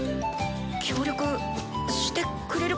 協力してくれるかな。